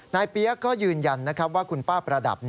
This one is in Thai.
เปี๊ยกก็ยืนยันว่าคุณป้าประดับ